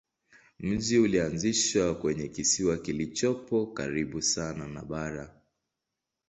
Mji ulianzishwa kwenye kisiwa kilichopo karibu sana na bara.